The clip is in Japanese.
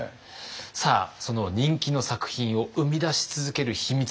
さあその人気の作品を生み出し続ける秘密。